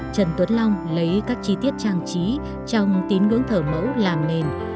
trần tuấn long lấy các chi tiết trang trí trong tín ngưỡng thở mẫu làm nền